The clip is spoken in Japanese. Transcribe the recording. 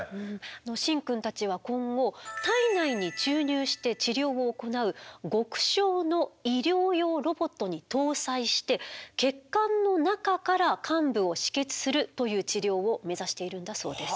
シンくんたちは今後体内に注入して治療を行う極小の医療用ロボットに搭載して血管の中から患部を止血するという治療を目指しているんだそうです。